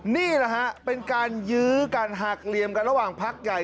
นี่แหละฮะเป็นการยื้อกันหักเหลี่ยมกันระหว่างพักใหญ่